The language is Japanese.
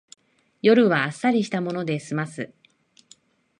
夜はあっさりしたもので済ます